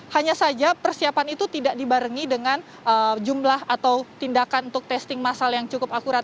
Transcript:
hanya saja persiapan itu tidak dibarengi dengan jumlah atau tindakan untuk testing masal yang cukup akurat